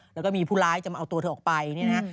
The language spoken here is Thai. แล้วก็มีผู้ร้ายจะมาเอาตัวเธอออกไปเนี่ยนะฮะ